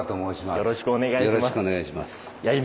よろしくお願いします。